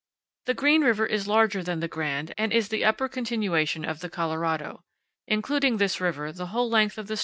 The Green River is larger than the Grand and is the upper continuation of the Colorado. Including this river, the whole length of 18 CANYONS OF THE COLORADO.